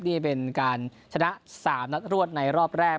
นี่เป็นการชนะ๓นัดรวดในรอบแรก